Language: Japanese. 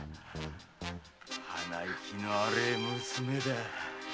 鼻息の荒い娘だ！